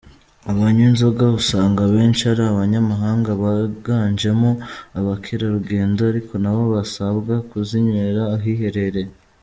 Abanywa inzoga usanga abenshi ari abanyamahanga biganjemo abakerarugendo ariko nabo basabwa kuzinywera ahiherereye.